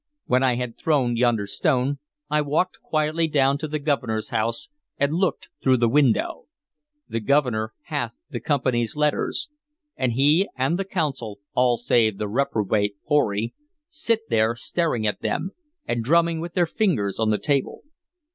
When I had thrown yonder stone, I walked quietly down to the Governor's house and looked through the window. The Governor hath the Company's letters, and he and the Council all save the reprobate Pory sit there staring at them and drumming with their fingers on the table."